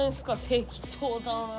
適当だな。